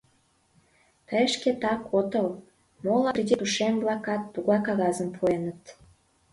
Тый шкетак отыл, моло кредит ушем-влакат тугай кагазым пуэныт...